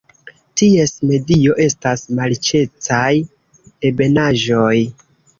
Ties medio estas marĉecaj ebenaĵoj.